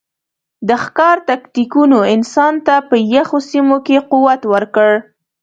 د ښکار تکتیکونو انسان ته په یخو سیمو کې قوت ورکړ.